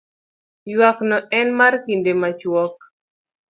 ywak no en mar kinde machuok